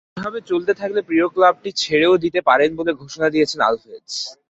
এভাবে চলতে থাকলে প্রিয় ক্লাবটি ছেড়েও দিতে পারেন বলে ঘোষণা দিয়েছেন আলভেজ।